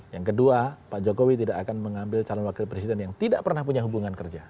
yang kedua pak jokowi tidak akan mengambil calon wakil presiden yang tidak pernah punya hubungan kerja